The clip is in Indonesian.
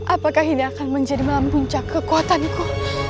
apakah ini akan menjadi malam puncak kekuatanku